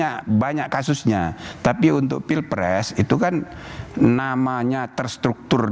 itu jauh lebih mudah dan sudah banyak kasusnya tapi untuk pilpres itu kan namanya terstruktur